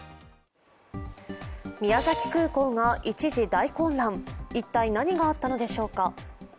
宮崎空港が一時大混乱、一体何があったのでしょうか。